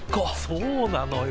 そうなのよ。